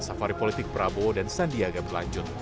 safari politik prabowo dan sandiaga berlanjut